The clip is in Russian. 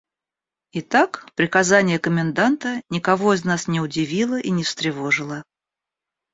Итак, приказание коменданта никого из нас не удивило и не встревожило.